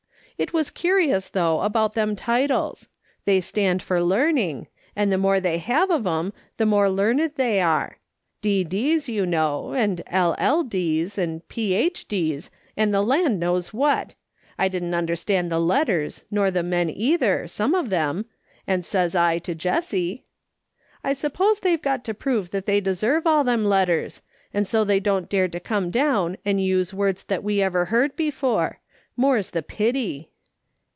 It was curious, though, about them titles ; they stand for learning, and the more they have of them the more learned they are. D. D.'s, you know, and LL. D.'s and Ph. D.'s, and the land knows what ; I didn't understand the letters, nor the men either, some of them, and says I to Jessie :"' I suppose they've got to prove that they deserve all them letters, and so they don't dare to come down and use words that we ever heard Ijefore ; more's the pity.'